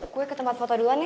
gue ke tempat foto duluan nih